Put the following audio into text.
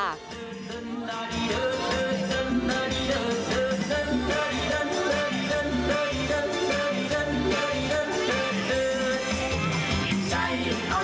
ดื่น